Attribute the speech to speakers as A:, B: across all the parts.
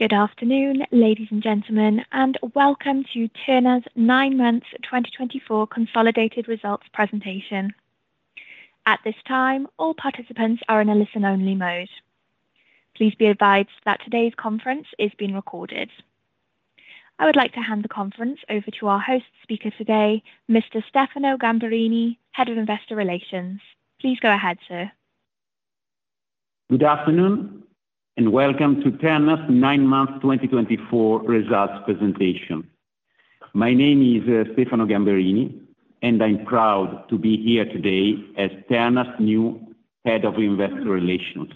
A: Good afternoon, ladies and gentlemen, and welcome to Terna's nine months 2024 consolidated results presentation. At this time, all participants are in a listen-only mode. Please be advised that today's conference is being recorded. I would like to hand the conference over to our host speaker today, Mr. Stefano Gamberini, Head of Investor Relations. Please go ahead, sir.
B: Good afternoon and welcome to Terna's Nine Months 2024 Results Presentation. My name is Stefano Gamberini, and I'm proud to be here today as Terna's new Head of Investor Relations.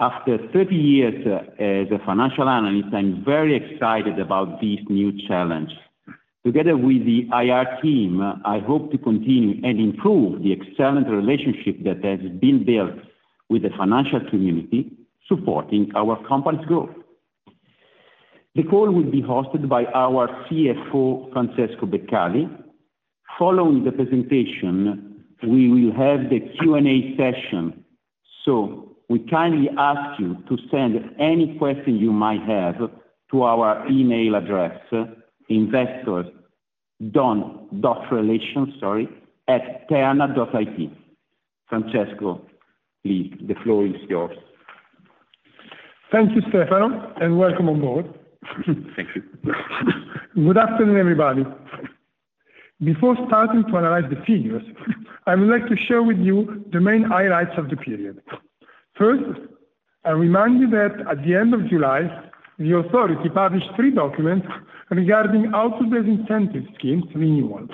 B: After 30 years as a financial analyst, I'm very excited about this new challenge. Together with the IR team, I hope to continue and improve the excellent relationship that has been built with the financial community, supporting our company's growth. The call will be hosted by our CFO, Francesco Beccali. Following the presentation, we will have the Q&A session, so we kindly ask you to send any questions you might have to our email address, investor.relations@terna.it. Francesco, the floor is yours.
C: Thank you, Stefano, and welcome on board.
B: Thank you.
C: Good afternoon, everybody. Before starting to analyze the figures, I would like to share with you the main highlights of the period. First, I remind you that at the end of July, the authority published three documents regarding output-based incentive schemes renewal,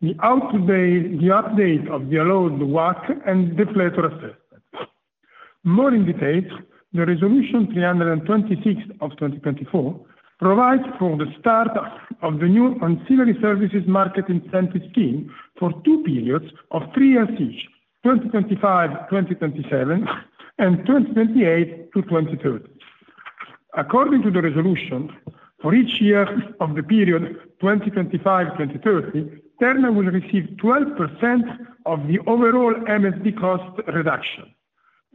C: the output-based update of the allowed WACC and deflator assessment. More in detail, the Resolution 326 of 2024 provides for the start of the new ancillary services market incentive scheme for two periods of three years each, 2025-2027 and 2028-2030. According to the resolution, for each year of the period 2025-2030, Terna will receive 12% of the overall MSD cost reduction.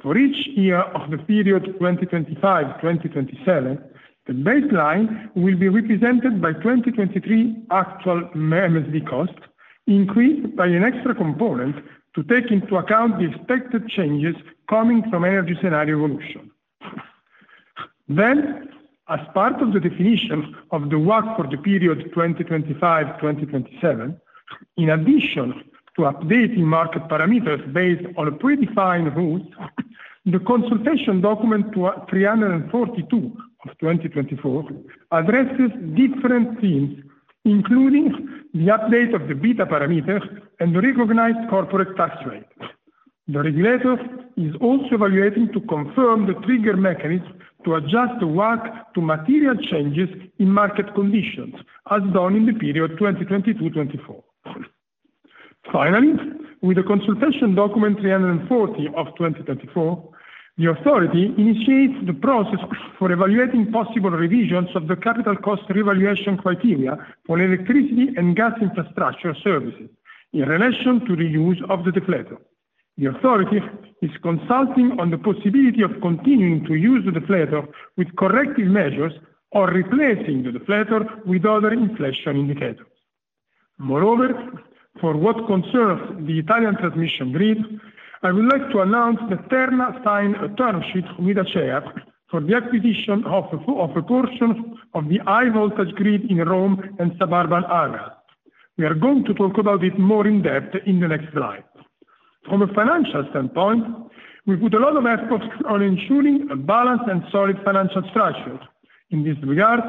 C: For each year of the period 2025-2027, the baseline will be represented by 2023 actual MSD cost increased by an extra component to take into account the expected changes coming from energy scenario evolution. Then, as part of the definition of the WACC for the period 2025-2027, in addition to updating market parameters based on predefined rules, the consultation document 342 of 2024 addresses different themes, including the update of the beta parameters and the recognized corporate tax rate. The regulator is also evaluating to confirm the trigger mechanism to adjust the WACC to material changes in market conditions, as done in the period 2022-2024. Finally, with the consultation document 340 of 2024, the authority initiates the process for evaluating possible revisions of the capital cost revaluation criteria for electricity and gas infrastructure services in relation to the use of the deflator. The authority is consulting on the possibility of continuing to use the deflator with corrective measures or replacing the deflator with other inflation indicators. Moreover, for what concerns the Italian transmission grid, I would like to announce that Terna signed a term sheet with Acea for the acquisition of a portion of the high-voltage grid in Rome and suburban areas. We are going to talk about it more in depth in the next slide. From a financial standpoint, we put a lot of efforts on ensuring a balanced and solid financial structure. In this regard,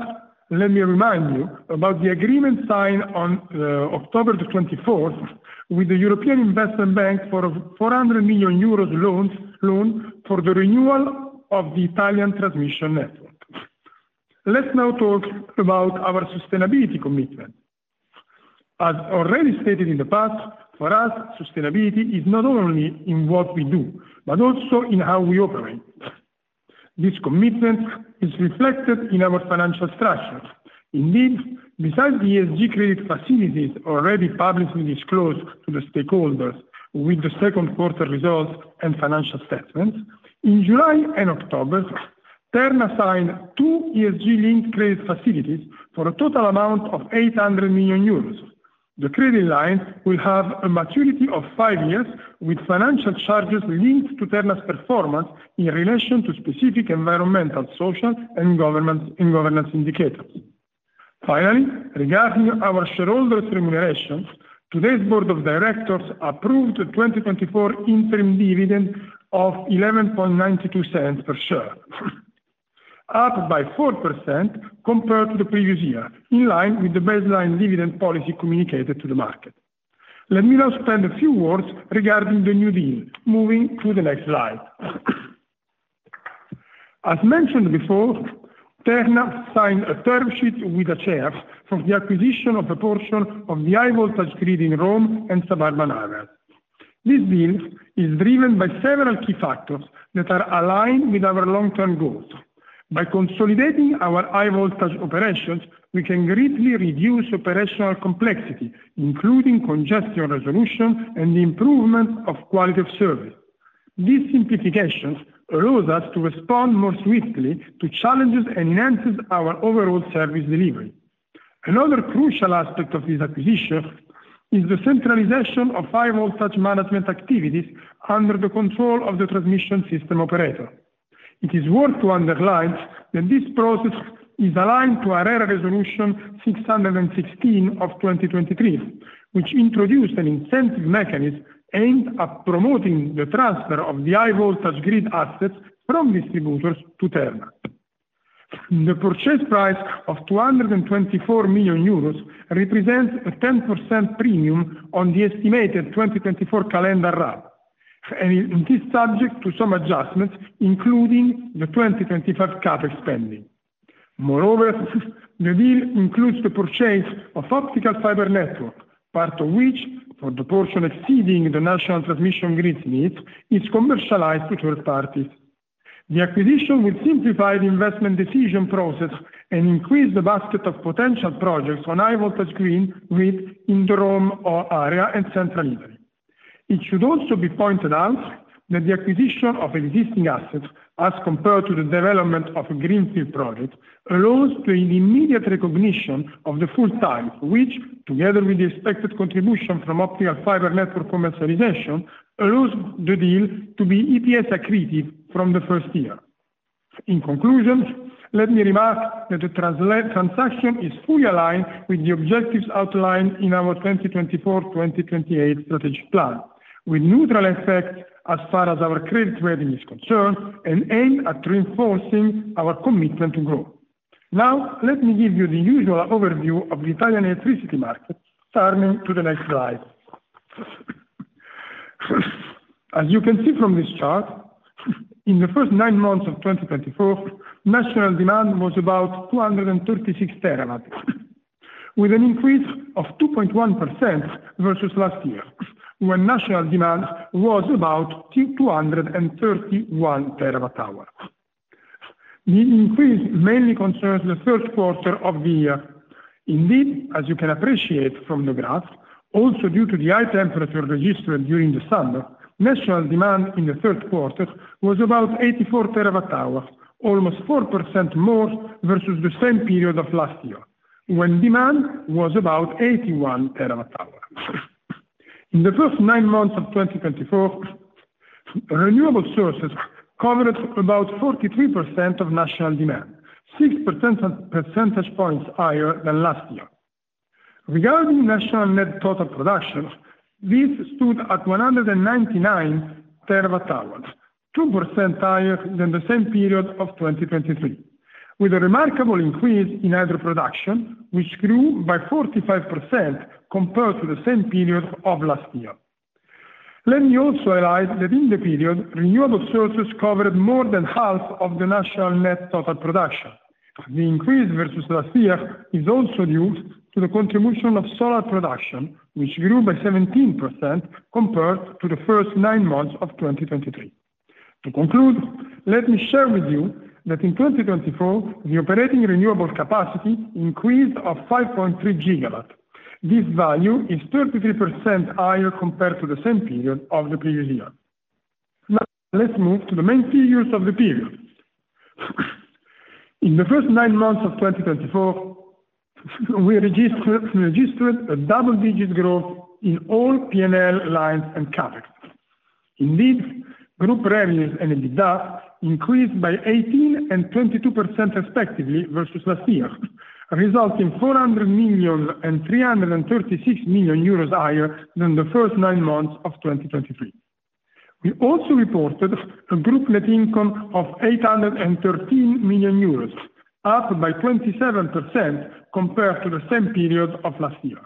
C: let me remind you about the agreement signed on October the 24th with the European Investment Bank for a 400 million euros loan for the renewal of the Italian transmission network. Let's now talk about our sustainability commitment. As already stated in the past, for us, sustainability is not only in what we do, but also in how we operate. This commitment is reflected in our financial structure. Indeed, besides the ESG credit facilities already publicly disclosed to the stakeholders with the second quarter results and financial statements, in July and October, Terna signed two ESG-linked credit facilities for a total amount of 800 million euros. The credit lines will have a maturity of five years with financial charges linked to Terna's performance in relation to specific environmental, social, and governance indicators. Finally, regarding our shareholders' remuneration, today's Board of Directors approved the 2024 interim dividend of 0.1192 per share, up by 4% compared to the previous year, in line with the baseline dividend policy communicated to the market. Let me now spend a few words regarding the new deal, moving to the next slide. As mentioned before, Terna signed a term sheet with Acea for the acquisition of a portion of the high-voltage grid in Rome and suburban areas. This deal is driven by several key factors that are aligned with our long-term goals. By consolidating our high-voltage operations, we can greatly reduce operational complexity, including congestion resolution and the improvement of quality of service. These simplifications allow us to respond more swiftly to challenges and enhance our overall service delivery. Another crucial aspect of this acquisition is the centralization of high-voltage management activities under the control of the transmission system operator. It is worth to underline that this process is aligned to ARERA Resolution 616 of 2023, which introduced an incentive mechanism aimed at promoting the transfer of the high-voltage grid assets from distributors to Terna. The purchase price of 224 million euros represents a 10% premium on the estimated 2024 calendar run. This is subject to some adjustments, including the 2025 cap expanding. Moreover, the deal includes the purchase of optical fiber network, part of which, for the portion exceeding the national transmission grid's needs, is commercialized to third parties. The acquisition will simplify the investment decision process and increase the basket of potential projects on high-voltage grid in the Rome area and central Italy. It should also be pointed out that the acquisition of existing assets, as compared to the development of a greenfield project, allows for an immediate recognition of the full RAB, which, together with the expected contribution from optical fiber network commercialization, allows the deal to be EPS accretive from the first year. In conclusion, let me remark that the transaction is fully aligned with the objectives outlined in our 2024-2028 strategic plan, with neutral effects as far as our credit rating is concerned and aim at reinforcing our commitment to growth. Now, let me give you the usual overview of the Italian electricity market. Turning to the next slide. As you can see from this chart, in the first nine months of 2024, national demand was about 236 terawatt-hours, with an increase of 2.1% versus last year, when national demand was about 231 terawatt-hours. The increase mainly concerns the third quarter of the year. Indeed, as you can appreciate from the graph, also due to the high temperature registered during the summer, national demand in the third quarter was about 84 terawatt-hours, almost 4% more versus the same period of last year, when demand was about 81 terawatt-hours. In the first nine months of 2024, renewable sources covered about 43% of national demand, 6 percentage points higher than last year. Regarding national net total production, this stood at 199 terawatt-hours, 2% higher than the same period of 2023, with a remarkable increase in hydro production, which grew by 45% compared to the same period of last year. Let me also highlight that in the period, renewable sources covered more than half of the national net total production. The increase versus last year is also due to the contribution of solar production, which grew by 17% compared to the first nine months of 2023. To conclude, let me share with you that in 2024, the operating renewable capacity increased of 5.3 gigawatts. This value is 33% higher compared to the same period of the previous year. Now, let's move to the main figures of the period. In the first nine months of 2024, we registered a double-digit growth in all P&L lines and Capex. Indeed, group revenues and EBITDA increased by 18% and 22% respectively versus last year, resulting in 400 million and 336 million euros higher than the first nine months of 2023. We also reported a group net income of 813 million euros, up by 27% compared to the same period of last year.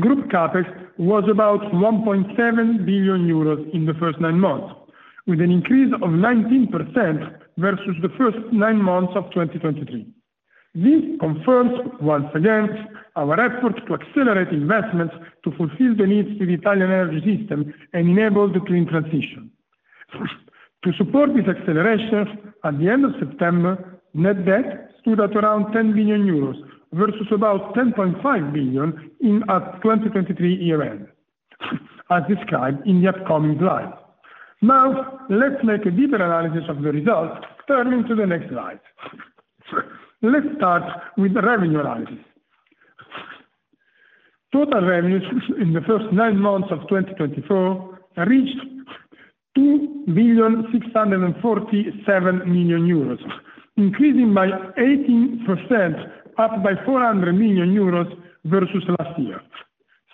C: Group CapEx was about 1.7 billion euros in the first nine months, with an increase of 19% versus the first nine months of 2023. This confirms, once again, our effort to accelerate investments to fulfill the needs of the Italian energy system and enable the clean transition. To support these accelerations, at the end of September, net debt stood at around 10 billion euros versus about 10.5 billion at 2023 year-end, as described in the upcoming slides. Now, let's make a deeper analysis of the results turning to the next slide. Let's start with the revenue analysis. Total revenues in the first nine months of 2024 reached €2,647 million, increasing by 18%, up by €400 million versus last year.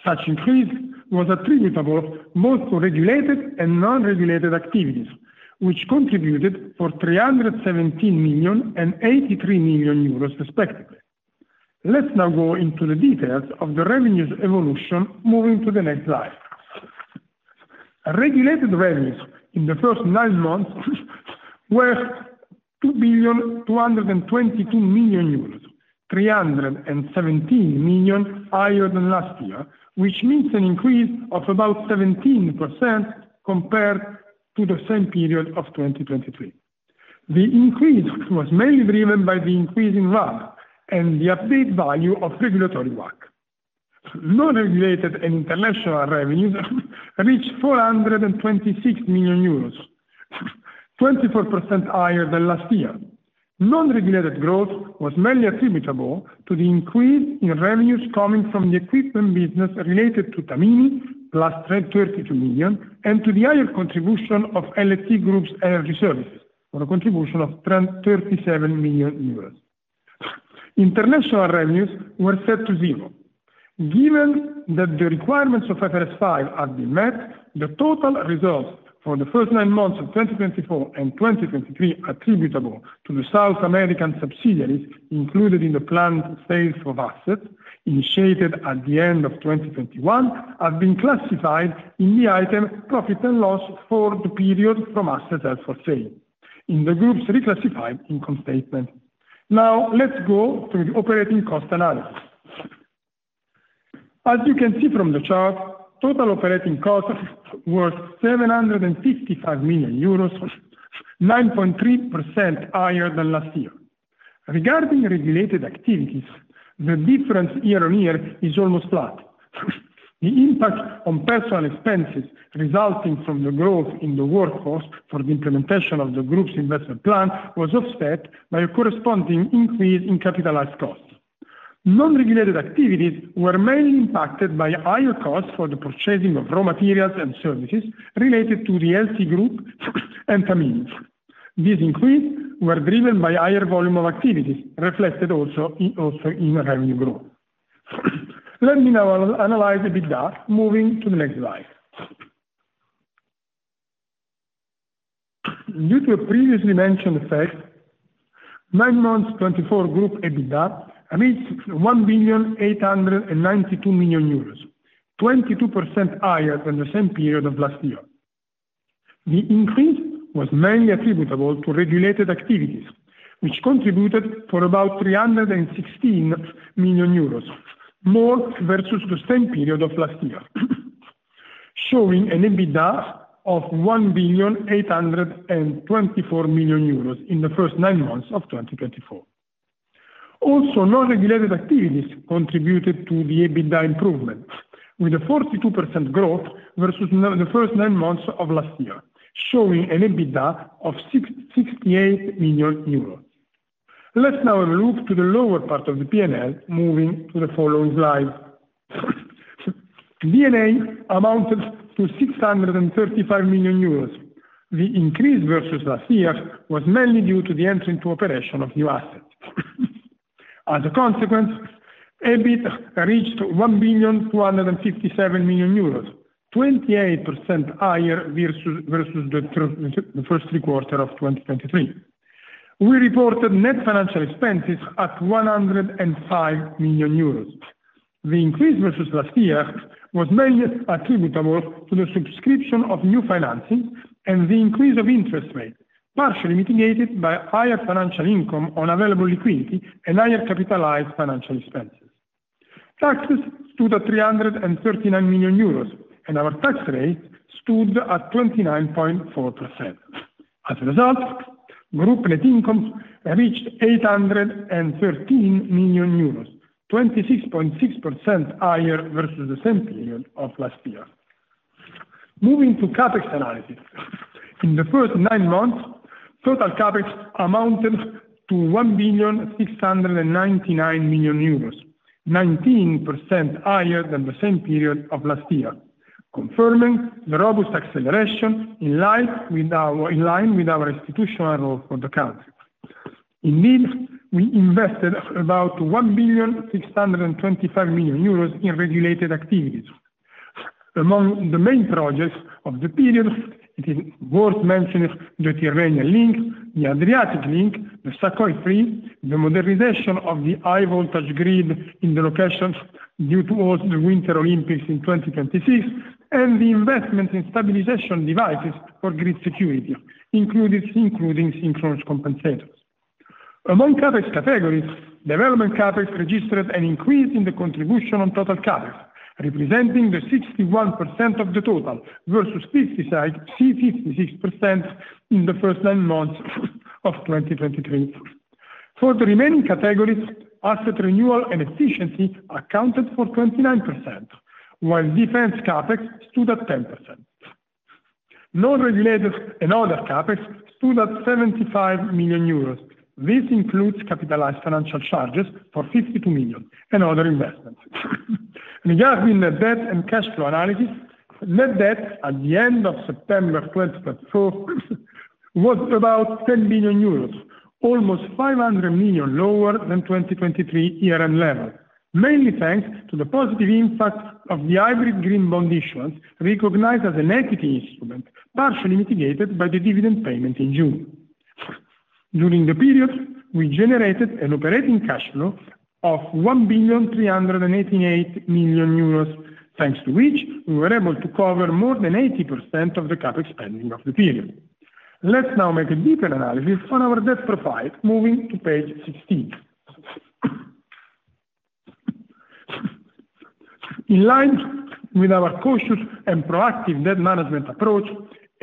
C: Such increase was attributable both to regulated and non-regulated activities, which contributed for €317 million and €83 million respectively. Let's now go into the details of the revenues evolution moving to the next slide. Regulated revenues in the first nine months were €2,222 million, €317 million higher than last year, which means an increase of about 17% compared to the same period of 2023. The increase was mainly driven by the increase in RAB and the update value of RAB. Non-regulated and international revenues reached €426 million, 24% higher than last year. Non-regulated growth was mainly attributable to the increase in revenues coming from the equipment business related to Tamini, plus 32 million, and to the higher contribution of LT Group's energy services, for a contribution of 37 million euros. International revenues were set to zero. Given that the requirements of IFRS 5 have been met, the total results for the first nine months of 2024 and 2023 attributable to the South American subsidiaries included in the planned sales of assets initiated at the end of 2021 have been classified in the item profit or loss for the period from assets held for sale, in the group's reclassified income statement. Now, let's go to the operating cost analysis. As you can see from the chart, total operating cost was 755 million euros, 9.3% higher than last year. Regarding regulated activities, the difference year-on-year is almost flat. The impact on personnel expenses resulting from the growth in the workforce for the implementation of the group's investment plan was offset by a corresponding increase in capitalized costs. Non-regulated activities were mainly impacted by higher costs for the purchasing of raw materials and services related to the LT Group and Tamini. These increases were driven by higher volume of activities, reflected also in revenue growth. Let me now analyze EBITDA, moving to the next slide. Due to a previously mentioned fact, nine months of 2024 group EBITDA amounts to 1,892 million euros, 22% higher than the same period of last year. The increase was mainly attributable to regulated activities, which contributed for about 316 million euros more versus the same period of last year, showing an EBITDA of 1,824 million euros in the first nine months of 2024. Also, non-regulated activities contributed to the EBITDA improvement, with a 42% growth versus the first nine months of last year, showing an EBITDA of 68 million euros. Let's now have a look to the lower part of the P&L, moving to the following slide. D&A amounted to 635 million euros. The increase versus last year was mainly due to the entry into operation of new assets. As a consequence, EBIT reached 1,257 million euros, 28% higher versus the first three quarters of 2023. We reported net financial expenses at 105 million euros. The increase versus last year was mainly attributable to the subscription of new financing and the increase of interest rate, partially mitigated by higher financial income on available liquidity and higher capitalized financial expenses. Taxes stood at 339 million euros, and our tax rate stood at 29.4%. As a result, group net income reached 813 million euros, 26.6% higher versus the same period of last year. Moving to Capex analysis. In the first nine months, total Capex amounted to 1,699 million euros, 19% higher than the same period of last year, confirming the robust acceleration in line with our institutional role for the country. Indeed, we invested about 1,625 million euros in regulated activities. Among the main projects of the period, it is worth mentioning the Tyrrhenian Link, the Adriatic Link, Sa.Co.I.3, the modernization of the high-voltage grid in the locations due to the Winter Olympics in 2026, and the investment in stabilization devices for grid security, including synchronous compensators. Among Capex categories, development Capex registered an increase in the contribution on total Capex, representing 61% of the total versus 56% in the first nine months of 2023. For the remaining categories, asset renewal and efficiency accounted for 29%, while defense Capex stood at 10%. Non-regulated and other Capex stood at €75 million. This includes capitalized financial charges for €52 million and other investments. Regarding net debt and cash flow analysis, net debt at the end of September 2024 was about €10 million, almost €500 million lower than 2023 year-end level, mainly thanks to the positive impact of the hybrid green bond issuance recognized as an equity instrument, partially mitigated by the dividend payment in June. During the period, we generated an operating cash flow of €1,388 million, thanks to which we were able to cover more than 80% of the Capex spending of the period. Let's now make a deeper analysis on our debt profile, moving to page 16. In line with our cautious and proactive debt management approach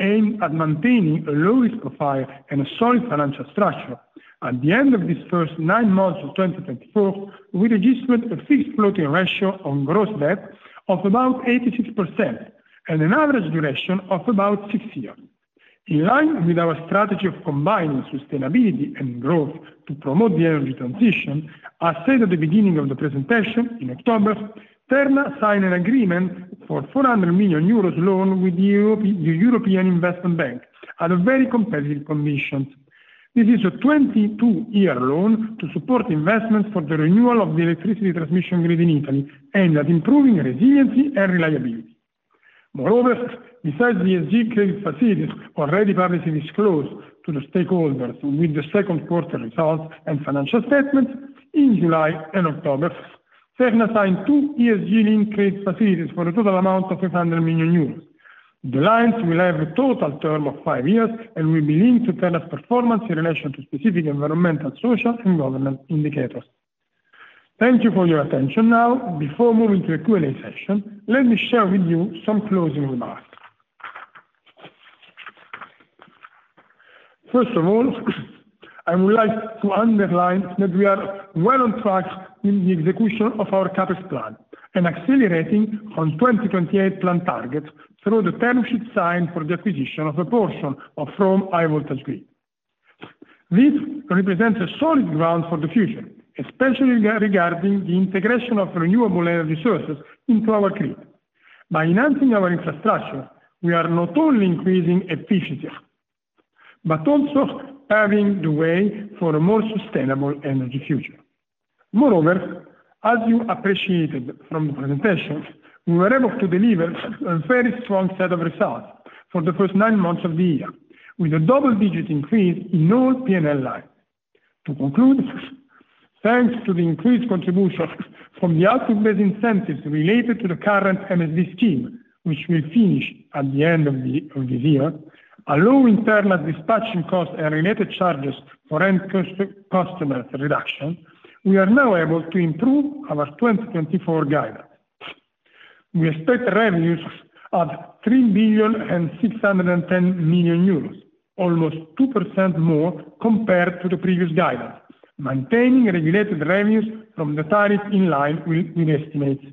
C: aimed at maintaining a low-risk profile and a solid financial structure, at the end of these first nine months of 2024, we registered a fixed floating ratio on gross debt of about 86% and an average duration of about six years. In line with our strategy of combining sustainability and growth to promote the energy transition, as said at the beginning of the presentation in October, Terna signed an agreement for a 400 million euros loan with the European Investment Bank at very competitive conditions. This is a 22-year loan to support investments for the renewal of the electricity transmission grid in Italy aimed at improving resiliency and reliability. Moreover, besides ESG credit facilities already publicly disclosed to the stakeholders with the second quarter results and financial statements in July and October, Terna signed two ESG-linked credit facilities for a total amount of 500 million euros. The lines will have a total term of five years, and will be linked to Terna's performance in relation to specific environmental, social, and governance indicators. Thank you for your attention now. Before moving to the Q&A session, let me share with you some closing remarks. First of all, I would like to underline that we are well on track in the execution of our CapEx plan and accelerating on 2028 plan targets through the term sheet signed for the acquisition of a portion of Rome's high-voltage grid. This represents a solid ground for the future, especially regarding the integration of renewable energy sources into our grid. By enhancing our infrastructure, we are not only increasing efficiency, but also paving the way for a more sustainable energy future. Moreover, as you appreciated from the presentation, we were able to deliver a very strong set of results for the first nine months of the year, with a double-digit increase in all P&L lines. To conclude, thanks to the increased contribution from the out-of-base incentives related to the current MSB scheme, which will finish at the end of this year, along with internal dispatching costs and related charges for end customers' reduction, we are now able to improve our 2024 guidance. We expect revenues at €3,610 million, almost 2% more compared to the previous guidance, maintaining regulated revenues from the tariff in line with estimates.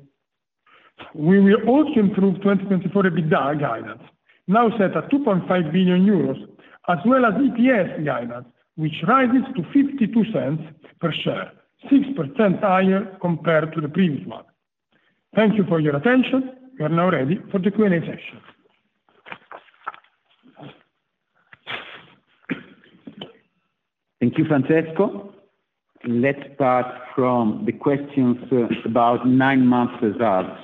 C: We will also improve 2024 EBITDA guidance, now set at 2.5 billion euros, as well as EPS guidance, which rises to 0.52 per share, 6% higher compared to the previous month. Thank you for your attention. We are now ready for the Q&A session.
B: Thank you, Francesco. Let's start from the questions about nine-month results.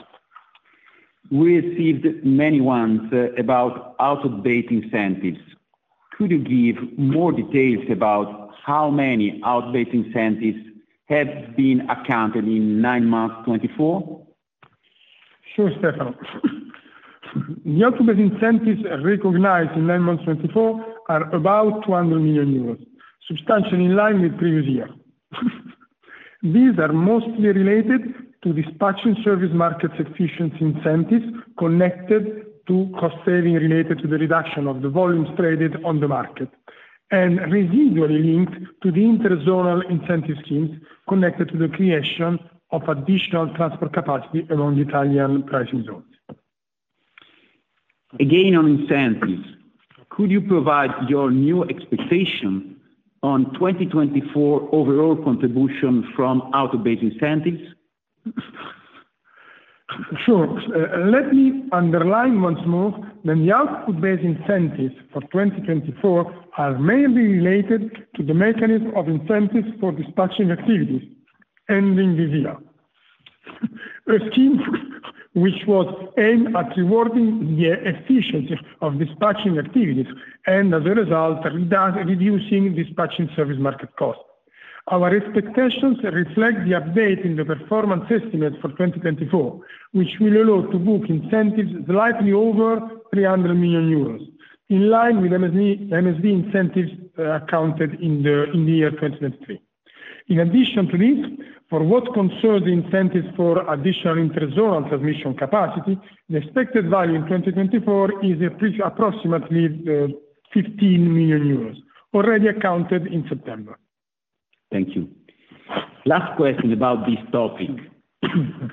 B: We received many ones about out-of-base incentives. Could you give more details about how many out-of-base incentives have been accounted in nine months 2024?
C: Sure, Stefano. The out-of-base incentives recognized in nine months 2024 are about 200 million euros, substantially in line with previous year. These are mostly related to dispatching service markets' efficiency incentives connected to cost saving related to the reduction of the volumes traded on the market, and residually linked to the interzonal incentive schemes connected to the creation of additional transport capacity among Italian pricing zones.
B: Again, on incentives, could you provide your new expectation on 2024 overall contribution from out-of-base incentives?
C: Sure. Let me underline once more that the out-of-base incentives for 2024 are mainly related to the mechanism of incentives for dispatching activities ending this year, a scheme which was aimed at rewarding the efficiency of dispatching activities and, as a result, reducing dispatching service market costs. Our expectations reflect the update in the performance estimates for 2024, which will allow to book incentives slightly over €300 million, in line with MSB incentives accounted in the year 2023. In addition to this, for what concerns the incentives for additional interzonal transmission capacity, the expected value in 2024 is approximately €15 million already accounted in September.
B: Thank you. Last question about this topic.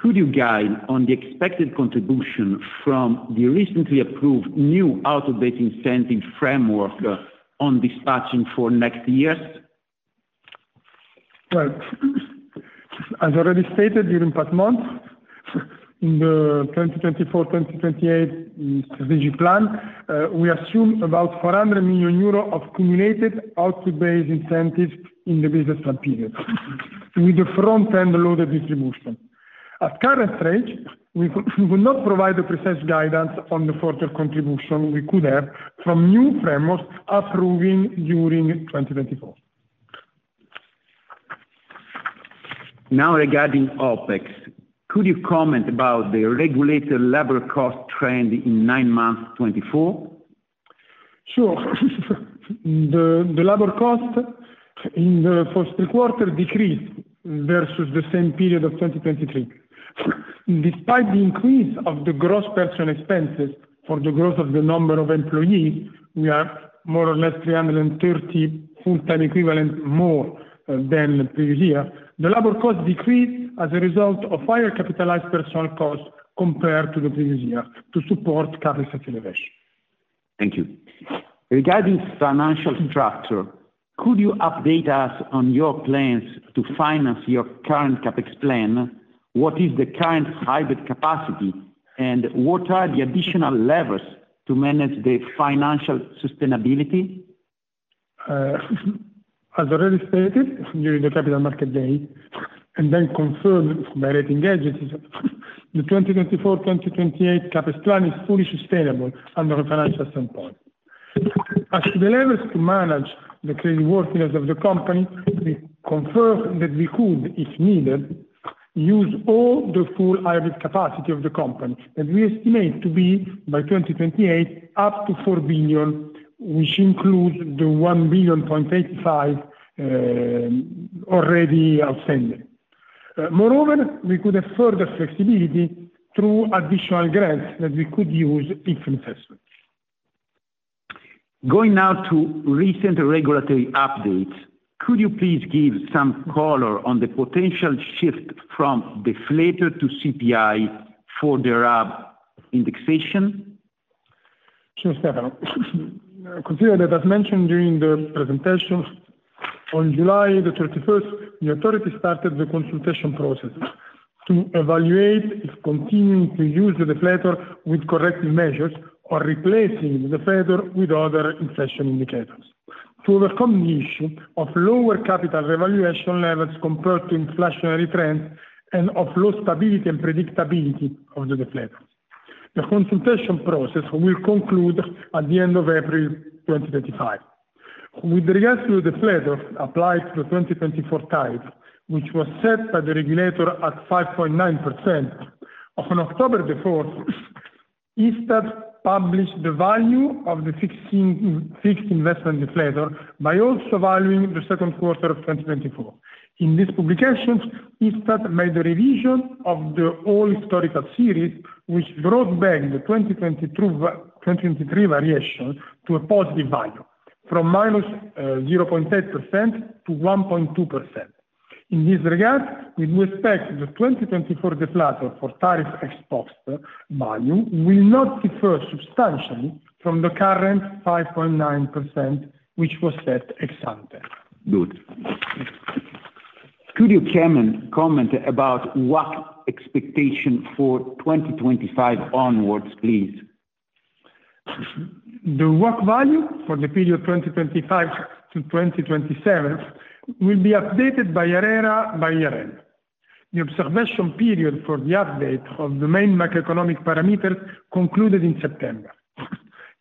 B: Could you guide on the expected contribution from the recently approved new out-of-base incentive framework on dispatching for next years?
C: As already stated during past months, in the 2024-2028 strategic plan, we assume about €400 million of cumulated out-of-base incentives in the business plan period, with the front-end loaded distribution. At current stage, we will not provide a precise guidance on the further contribution we could have from new frameworks approving during 2024. Now, regarding OpEx, could you comment about the regulated labor cost trend in nine months '24? Sure. The labor cost in the first three quarters decreased versus the same period of 2023. Despite the increase of the gross personal expenses for the growth of the number of employees, we are more or less 330 full-time equivalents more than the previous year. The labor cost decreased as a result of higher capitalized personal costs compared to the previous year to support CapEx activation.
B: Thank you. Regarding financial structure, could you update us on your plans to finance your current Capex plan? What is the current hybrid capacity, and what are the additional levers to manage the financial sustainability?
C: As already stated during the capital market day and then confirmed by rating agencies, the 2024-2028 Capex plan is fully sustainable under a financial standpoint. As to the levers to manage the creditworthiness of the company, we confirm that we could, if needed, use all the full hybrid capacity of the company that we estimate to be by 2028 up to €4 billion, which includes the €1 billion point 85 already outstanding. Moreover, we could have further flexibility through additional grants that we could use in some assessments.
B: Going now to recent regulatory updates, could you please give some color on the potential shift from deflator to CPI for the RAB indexation?
C: Sure, Stefano. Consider that, as mentioned during the presentation, on July 31st, the authority started the consultation process to evaluate if continuing to use the deflator with corrective measures or replacing the deflator with other inflation indicators to overcome the issue of lower capital revaluation levels compared to inflationary trends and of low stability and predictability of the deflator. The consultation process will conclude at the end of April 2025. With regards to the deflator applied to the 2024 tariff, which was set by the regulator at 5.9%, on October 4th, ISTAT published the value of the fixed investment deflator by also valuing the second quarter of 2024. In this publication, ISTAT made a revision of the all-historical series, which brought back the 2023 variation to a positive value from -0.8%-1.2%. In this regard, we do expect the 2024 deflator for tariff exposed value will not differ substantially from the current 5.9%, which was set ex ante.
B: Good. Could you, comment comment about WACC expectation for 2025 onwards, please?
C: The WACC value for the period 2025 to 2027 will be updated by ARERA by year-end. The observation period for the update of the main macroeconomic parameters concluded in September.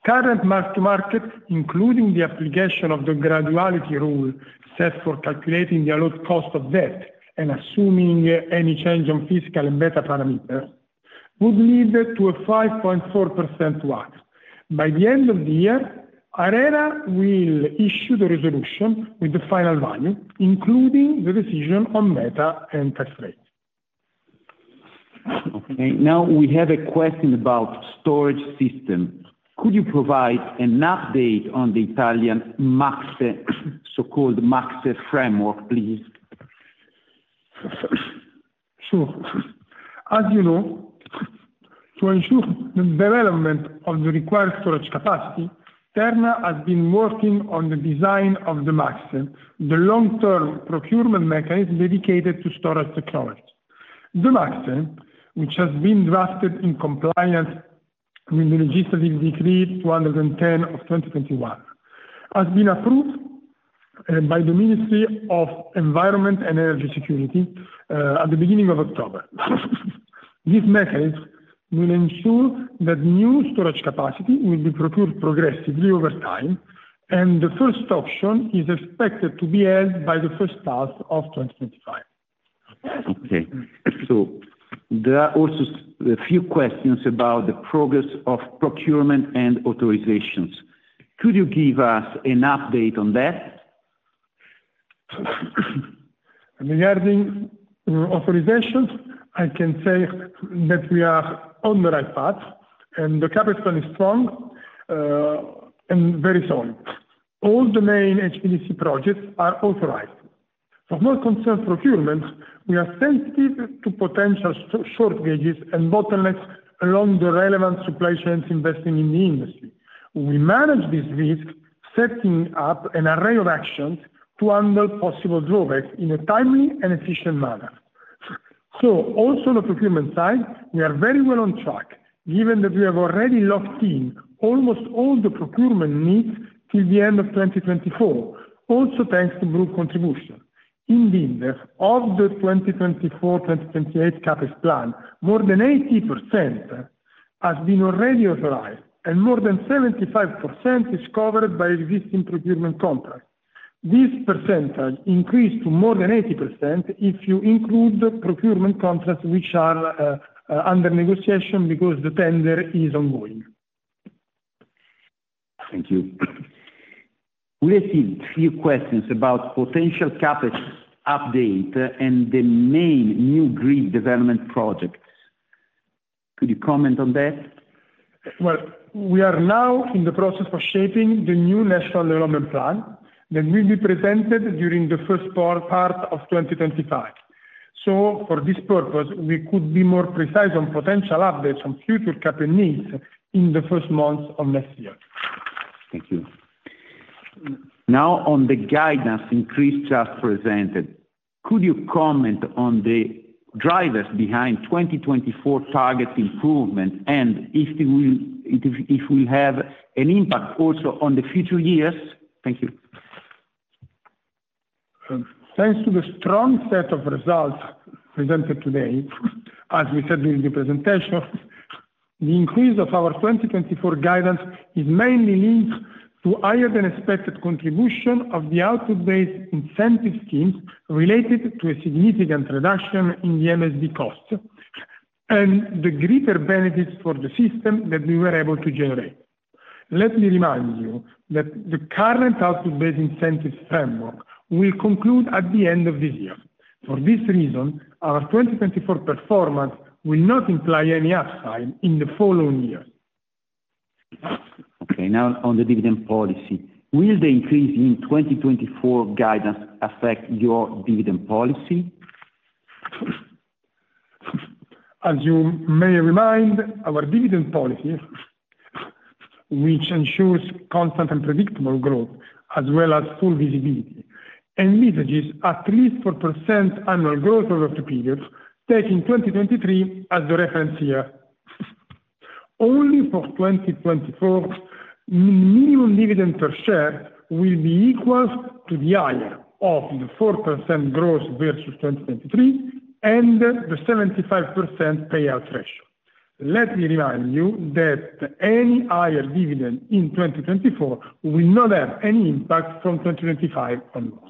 C: Current mark-to-market, including the application of the graduality rule set for calculating the allotted cost of debt and assuming any change on risk-free and beta parameters, would lead to a 5.4% WACC. By the end of the year, ARERA will issue the resolution with the final value, including the decision on beta and interest rates.
B: Okay. Now, we have a question about storage system. Could you provide an update on the Italian MACSE, so-called MACSE framework, please?
C: Sure. As you know, to ensure the development of the required storage capacity, Terna has been working on the design of the MACSE, the long-term procurement mechanism dedicated to storage technologies. The MACSE, which has been drafted in compliance with the legislative decree 210 of 2021, has been approved by the Ministry of Environment and Energy Security at the beginning of October. This mechanism will ensure that new storage capacity will be procured progressively over time, and the first auction is expected to be held by the first half of 2025.
B: Okay. So there are also a few questions about the progress of procurement and authorizations. Could you give us an update on that?
C: Regarding authorizations, I can say that we are on the right path, and the capital is strong and very solid. All the main HVAC projects are authorized. For what concerns procurement, we are sensitive to potential shortages and bottlenecks along the relevant supply chains investing in the industry. We manage this risk, setting up an array of actions to handle possible drawbacks in a timely and efficient manner. So, also on the procurement side, we are very well on track, given that we have already locked in almost all the procurement needs till the end of 2024, also thanks to group contribution. Indeed, of the 2024-2028 Capex plan, more than 80% has been already authorized, and more than 75% is covered by existing procurement contracts. This percentage increased to more than 80% if you include procurement contracts which are under negotiation because the tender is ongoing.
B: Thank you. We received a few questions about potential Capex update and the main new grid development projects. Could you comment on that?
C: We are now in the process of shaping the new national development plan that will be presented during the first part of 2025. For this purpose, we could be more precise on potential updates on future Capex needs in the first months of next year.
B: Thank you. Now, on the guidance increase just presented, could you comment on the drivers behind 2024 target improvement and if it will have an impact also on the future years? Thank you.
C: Thanks to the strong set of results presented today, as we said during the presentation, the increase of our 2024 guidance is mainly linked to higher than expected contribution of the out-of-base incentive schemes related to a significant reduction in the MSB costs and the greater benefits for the system that we were able to generate. Let me remind you that the current out-of-base incentive framework will conclude at the end of this year. For this reason, our 2024 performance will not imply any upside in the following years.
B: Okay. Now, on the dividend policy, will the increase in 2024 guidance affect your dividend policy?
C: As you may remind, our dividend policy, which ensures constant and predictable growth as well as full visibility, envisages at least 4% annual growth over two periods, taking 2023 as the reference year. Only for 2024, minimum dividend per share will be equal to the higher of the 4% growth versus 2023 and the 75% payout ratio. Let me remind you that any higher dividend in 2024 will not have any impact from 2025 onwards.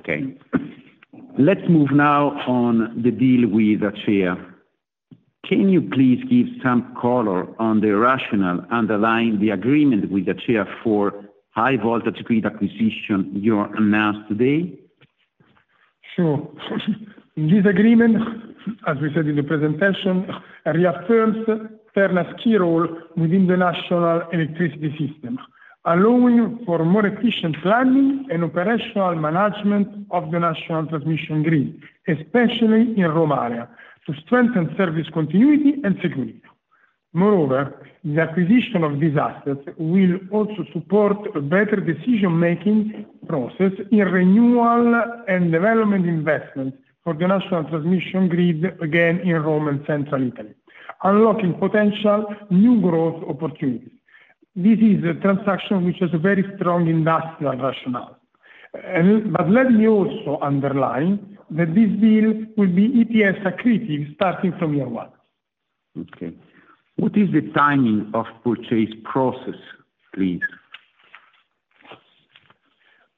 B: Okay. Let's move now on the deal with Acea. Can you please give some color on the rationale underlying the agreement with Acea for high-voltage grid acquisition you announced today?
C: Sure. This agreement, as we said in the presentation, reaffirms Terna's key role within the national electricity system, allowing for more efficient planning and operational management of the national transmission grid, especially in Roma, to strengthen service continuity and security. Moreover, the acquisition of these assets will also support a better decision-making process in renewal and development investments for the national transmission grid again in Rome and central Italy, unlocking potential new growth opportunities. This is a transaction which has a very strong industrial rationale. But let me also underline that this deal will be EBITDA accretive starting from year one.
B: Okay. What is the timing of purchase process, please?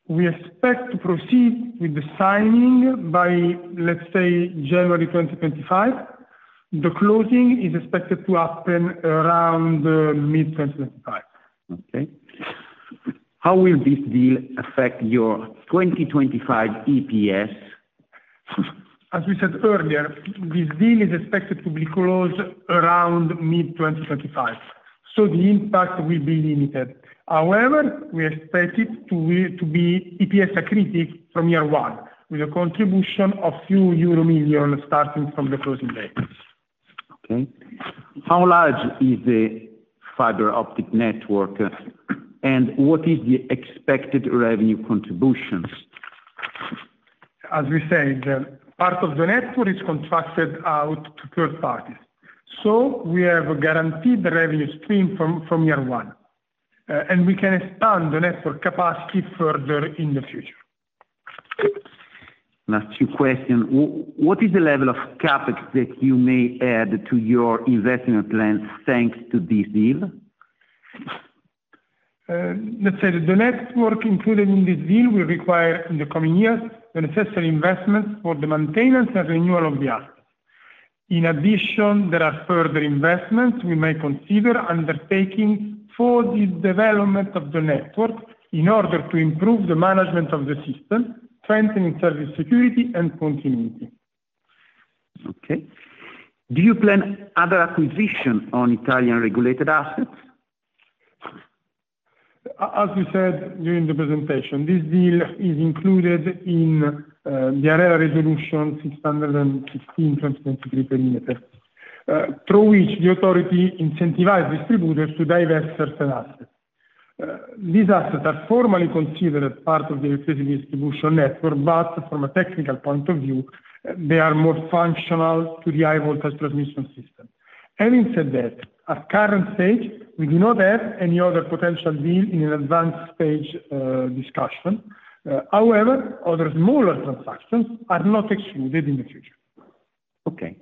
C: We expect to proceed with the signing by, let's say, January 2025. The closing is expected to happen around mid-2025.
B: Okay. How will this deal affect your 2025 EPS?
C: As we said earlier, this deal is expected to be closed around mid-2025, so the impact will be limited. However, we expect it to be EPS accretive from year one with a contribution of few euro million starting from the closing date.
B: Okay. How large is the fiber optic network, and what is the expected revenue contributions?
C: As we said, part of the network is contracted out to third parties, so we have a guaranteed revenue stream from year one, and we can expand the network capacity further in the future.
B: Last few questions. What is the level of Capex that you may add to your investment plan thanks to this deal?
C: Let's say that the network included in this deal will require, in the coming years, the necessary investments for the maintenance and renewal of the assets. In addition, there are further investments we may consider undertaking for the development of the network in order to improve the management of the system, strengthening service security and continuity.
B: Okay. Do you plan other acquisitions on Italian regulated assets?
C: As we said during the presentation, this deal is included in the ARERA Resolution 616/2023 perimeter, through which the authority incentivizes distributors to divest certain assets. These assets are formally considered part of the electricity distribution network, but from a technical point of view, they are more functional to the high-voltage transmission system. Having said that, at current stage, we do not have any other potential deal in an advanced stage discussion. However, other smaller transactions are not excluded in the future. Okay.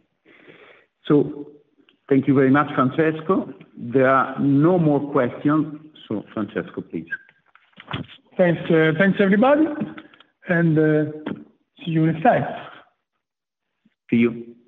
B: So thank you very much, Francesco. There are no more questions. So, Francesco, please.
C: Thanks. Thanks, everybody, and see you next time.
B: See you.